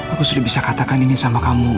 aku sudah bisa katakan ini sama kamu